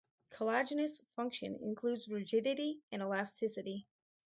Collagenous function includes rigidity and elasticity.